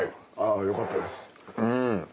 よかったです。